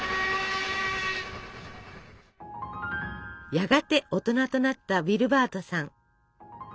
やがて大人となったウィルバートさん。